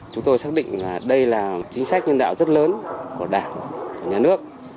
chúng tôi xác định là đây là chính sách nhân đạo rất lớn của đảng của nhà nước